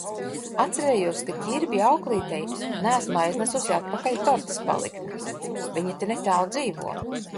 Atcerējos, ka Ķirbja auklītei neesmu aiznesusi atpakaļ tortes paliktni. Viņa te netālu dzīvo.